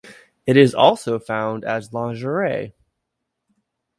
It is also found as lingerie.